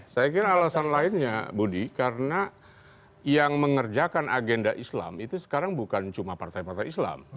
saya kira alasan lainnya budi karena yang mengerjakan agenda islam itu sekarang bukan cuma partai partai islam